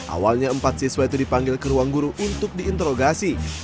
awalnya empat siswa itu dipanggil ke ruang guru untuk diinterogasi